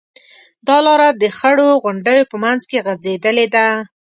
دا لاره د خړو غونډیو په منځ کې غځېدلې ده.